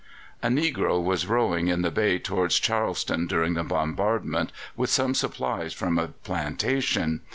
A negro was rowing in the bay towards Charleston during the bombardment with some supplies from a plantation.